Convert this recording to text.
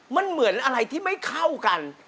มันเหมือนอะไรที่ไม่เข้ากัน